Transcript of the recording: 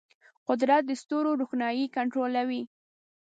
قدرت د ستورو روښنايي کنټرولوي.